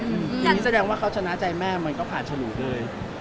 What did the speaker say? อย่างนี้แสดงว่าเขาชนะใจแม่มันก็ผ่านฉลุเลย